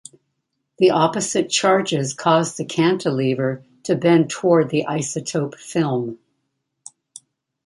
The opposite charges cause the cantilever to bend toward the isotope film.